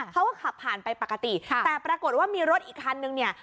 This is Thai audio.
เขาก็ขับผ่านไปปกติแต่ปรากฏว่ามีรถอีกคันนึงเนี่ย